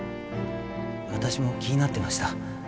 私も気になってました。